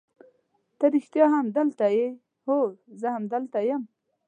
ته رښتیا هم دلته یې؟ هو زه همدلته یم.